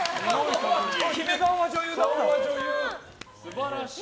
決め顔は女優だったわ。